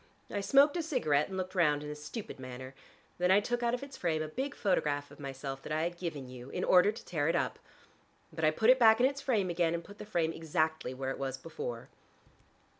I smoked a cigarette and looked round in a stupid manner. Then I took out of its frame a big photograph of myself that I had given you, in order to tear it up. But I put it back in its frame again, and put the frame exactly where it was before."